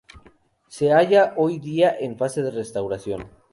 Se halla hoy día en fase de restauración.